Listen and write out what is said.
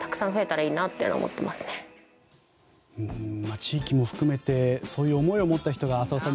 地域も含めてそういう思いを持った人が浅尾さん